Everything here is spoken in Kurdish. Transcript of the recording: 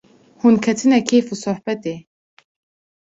Hûn ketine keyf û sohbetê